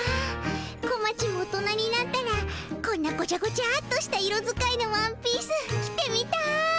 こまちも大人になったらこんなごちゃごちゃっとした色使いのワンピース着てみたい。